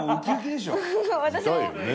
私も。